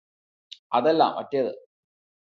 അതല്ല മറ്റേത്